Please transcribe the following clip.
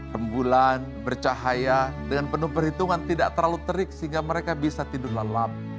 rem bulan bercahaya dengan penuh perhitungan tidak terlalu terik sehingga mereka bisa tidur lalap